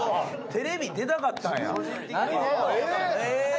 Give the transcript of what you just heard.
テレビ出たかったんや。